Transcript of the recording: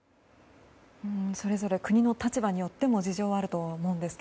それぞれ国の立場によっても事情はあると思うんですが